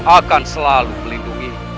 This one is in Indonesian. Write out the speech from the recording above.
akan selalu melindungi